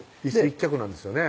１脚なんですよね